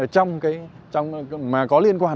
trong cái mà có liên quan